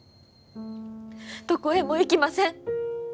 どこへも行きません。